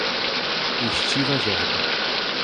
Estiva Gerbi